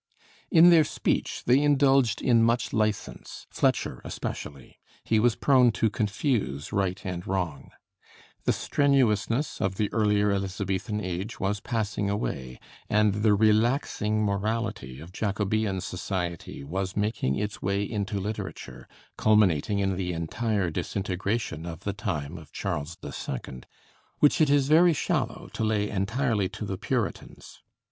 In their speech they indulged in much license, Fletcher especially; he was prone to confuse right and wrong. The strenuousness of the earlier Elizabethan age was passing away, and the relaxing morality of Jacobean society was making its way into literature, culminating in the entire disintegration of the time of Charles II., which it is very shallow to lay entirely to the Puritans.